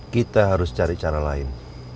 kita harus cari cara lain